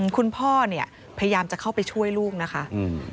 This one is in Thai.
คุณพ่อเนี่ยพยายามจะเข้าไปช่วยลูกนะคะ